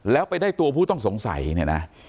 แล้วไปได้ตัวผู้ต้องสงสัยเนี่ยนะ